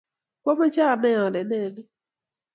kamoche anai ale nee ni.